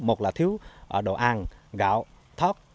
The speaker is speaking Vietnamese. một là thiếu đồ ăn gạo thóc